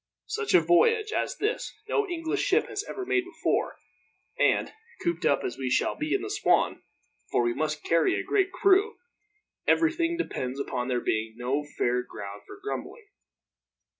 Such a voyage as this no English ship has ever made before and, cooped up as we shall be in the Swan for we must carry a great crew everything depends upon there being no fair ground for grumbling.